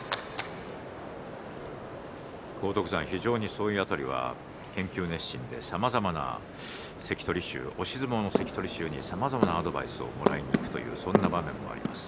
荒篤山、非常にその辺りは研究熱心でさまざまな押し相撲の関取衆にさまざまなアドバイスをもらいにいくというそんな面もあります。